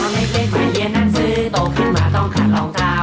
ไม่เคยไปเรียนหนังสือโตขึ้นมาต้องขาดรองเท้า